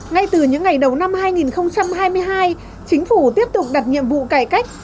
ngay từ những ngày đầu năm hai nghìn hai mươi hai chính phủ tiếp tục đặt nhiệm vụ cải cách